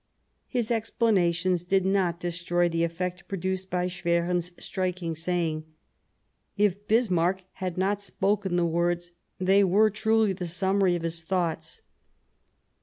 His explanations did not destroy the effect produced by Schwerin's striking saying ; if Bis marck had not spoken the words, they were truly the summary of his thoughts.